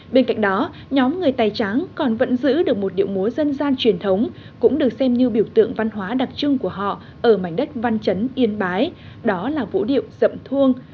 bên cạnh đó nhóm người tài tráng còn vẫn giữ được một điệu múa dân gian truyền thống cũng được xem như biểu tượng văn hóa đặc trưng của họ ở mảnh đất văn chấn yên bái đó là vũ điệu dậm thuông